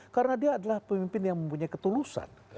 karena dia adalah pemimpin yang mempunyai ketulusan